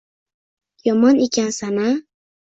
Yomon ekansan-a?